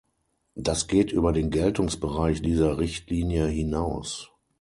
Das geht über den Geltungsbereich dieser Richtlinie hinaus.